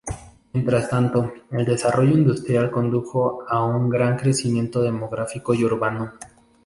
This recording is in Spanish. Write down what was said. Mientras tanto, el desarrollo industrial condujo a un gran crecimiento demográfico y urbano.